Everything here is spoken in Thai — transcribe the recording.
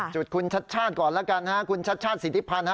จุดคุณชัดชาติก่อนแล้วกันคุณชัดชาติสิทธิพันธ์